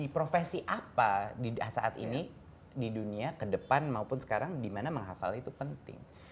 profesi apa saat ini di dunia ke depan maupun sekarang dimana menghafal itu penting